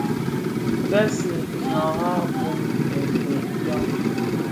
Bi bësè ñaran bum binted byan?